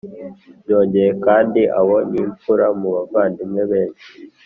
Byongeye kandi abo ni imfura mu bavandimwe benshi